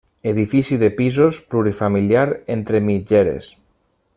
Edifici de pisos plurifamiliar entre mitgeres.